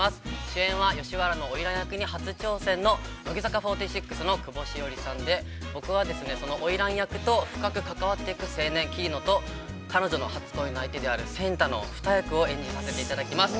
主演は吉原の花魁役に初挑戦の乃木坂４６の久保史緒里さんで僕は、その花魁役と深くかかわっていく青年・霧野と彼女の初恋の相手である仙太の２役を演じさせていただきます。